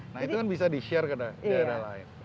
nah itu kan bisa di share ke daerah lain